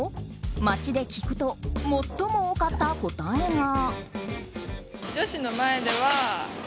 街で聞くと最も多かった答えが。